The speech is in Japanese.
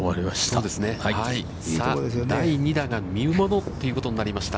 さあ、第２打が見ものということになりました。